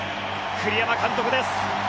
栗山監督です！